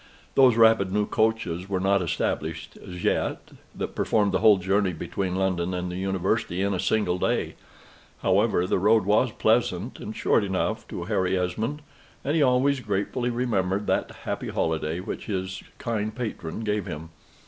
Those rapid new coaches were not established, as yet, that performed the whole journey between London and the University in a single day; however, the road was pleasant and short enough to Harry Esmond, and he always gratefully remembered that happy holiday which his kind patron gave him.